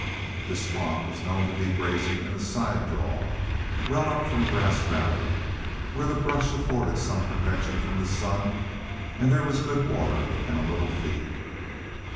This flock was known to be grazing in a side draw, well up from Grass Valley, where the brush afforded some protection from the sun, and there was good water and a little feed.